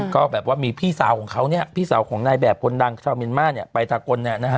ก็แบบว่ามีพี่สาวของเขาเนี่ยพี่สาวของนายแบบคนดังชาวเมียนมาร์เนี่ยไปตากล